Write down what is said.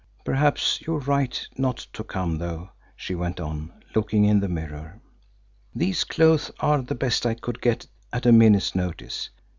Perhaps you are right not to come, though," she went on, looking in the mirror. "These clothes are the best I could get at a minute's notice.